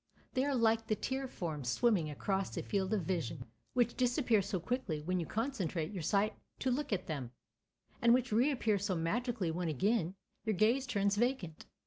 They are like the tear forms swimming across the field of vision, which disappear so quickly when you concentrate your sight to look at them, and which reappear so magically when again your gaze turns vacant.